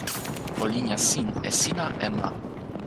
o linja sin e sina e ma.